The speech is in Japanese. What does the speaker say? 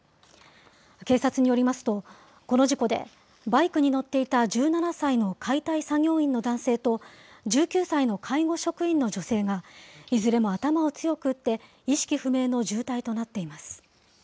警察によりますと、この事故で、バイクに乗っていた１７歳の解体作業員の男性と、１９歳の介護職員の女性が、いずれも頭を強く打って、意識不明の重体となっています。